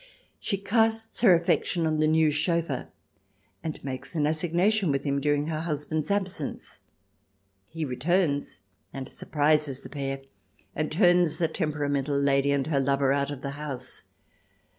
She casts her affection on the new chauffeur, and makes an assignation with him during her husband's absence. He returns and surprises the pair, and turns the temperamental lady and her lover out of the house.